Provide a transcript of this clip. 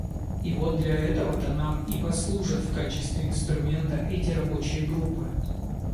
И вот для этого-то нам и послужат в качестве инструмента эти рабочие группы.